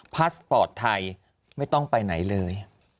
พาสปอร์ตไทยไม่ต้องไปไหนเลย